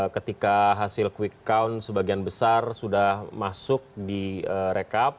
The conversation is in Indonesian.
ketika hasil quick count sebagian besar sudah masuk di rekap